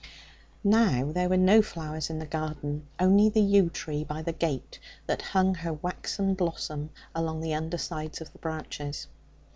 Now, there were no flowers in the garden; only the yew tree by the gate that hung her waxen blossom along the undersides of the branches.